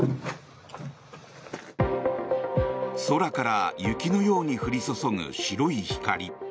空から雪のように降り注ぐ白い光。